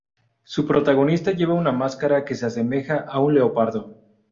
Su protagonista lleva una máscara que le asemeja a un leopardo.